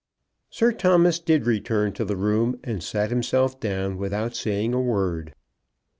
Sir Thomas did return to the room, and sat himself down without saying a word.